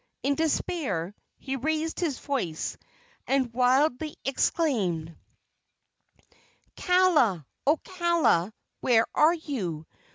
In despair he raised his voice and wildly exclaimed: "Kaala! O Kaala! where are you?